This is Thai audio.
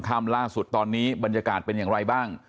ค่ำล่าสุดตอนนี้บรรยากาศเป็นอย่างไรบ้าง